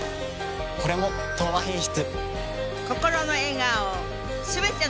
これも「東和品質」。